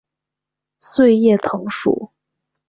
穗叶藤属。